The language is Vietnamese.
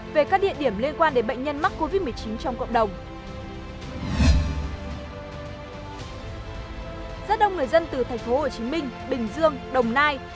về các địa điểm liên quan đến bệnh nhân mắc covid một mươi chín trong cộng đồng